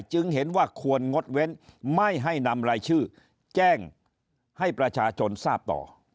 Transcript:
จึงเห็นว่าควรงดเว้นไม่ให้นำรายชื่อแจ้งให้ประชาชนทราบต่อ